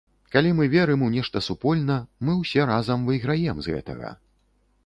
Калі мы верым у нешта супольна, мы ўсе разам выйграем з гэтага.